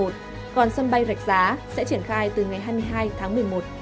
còn sân bay rạch giá sẽ triển khai từ ngày hai mươi hai tháng một mươi một